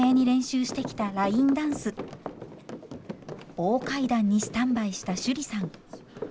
大階段にスタンバイした趣里さん。